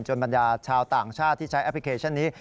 บรรดาชาวต่างชาติที่ใช้แอปพลิเคชันนี้